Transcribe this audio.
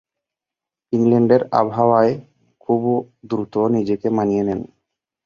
ইংল্যান্ডের আবহাওয়ায় খুব দ্রুত নিজেকে মানিয়ে নেন।